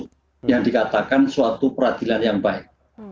di mana dikatakan suatu peradilan yang baik